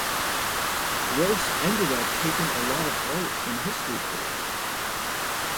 Gross ended up taking a lot of art and history courses.